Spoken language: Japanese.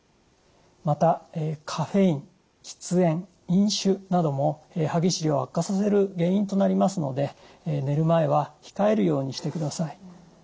またカフェイン喫煙飲酒なども歯ぎしりを悪化させる原因となりますので寝る前は控えるようにしてください。